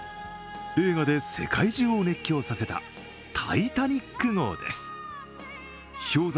映画で世界中を熱狂させた「タイタニック」号です。